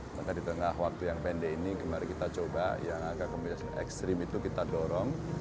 maka di tengah waktu yang pendek ini kemarin kita coba yang agak kemudian ekstrim itu kita dorong